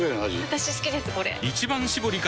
私好きですこれ！